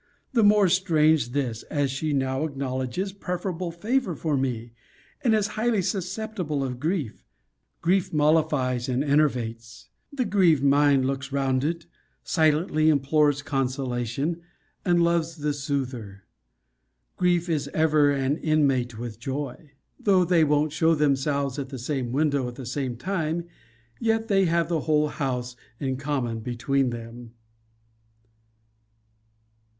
The more strange this, as she now acknowledges preferable favour for me; and is highly susceptible of grief. Grief mollifies, and enervates. The grieved mind looks round it, silently implores consolation, and loves the soother. Grief is ever an inmate with joy. Though they won't show themselves at the same window at one time; yet they have the whole house in common between them.